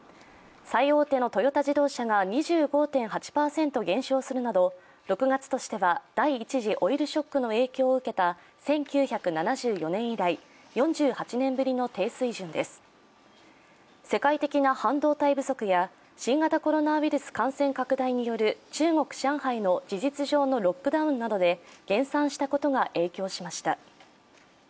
最大手のトヨタ自動車が２５．８％減少するなど６月としては第一次オイルショックの影響を受けた１９７４年以来、４８年ぶりの低水準です世界的な半導体不足や新型コロナウイルス感染拡大による中国・上海の事実上のロックダウンなどで減産したことが影響しました。